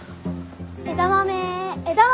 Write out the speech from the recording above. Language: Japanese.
枝豆枝豆。